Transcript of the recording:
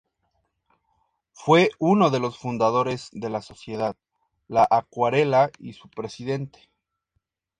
Fue uno de los fundadores de la Sociedad La Acuarela, y su presidente.